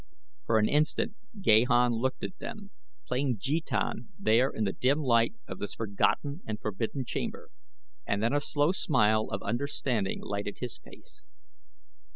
For an instant Gahan looked at them, playing jetan there in the dim light of this forgotten and forbidden chamber, and then a slow smile of understanding lighted his face.